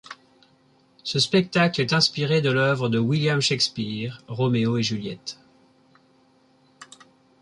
Ce spectacle est inspiré de l'œuvre de William Shakespeare, Roméo et Juliette.